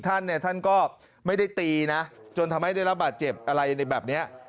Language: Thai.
ท่านก็ไม่ได้ตีนะจนทำให้ได้รับบาดเจ็บอะไรอย่างแบบเนี้ย